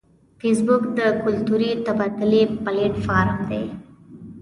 فېسبوک د کلتوري تبادلې پلیټ فارم دی